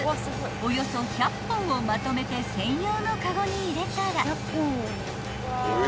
およそ１００本をまとめて専用のカゴに入れたら］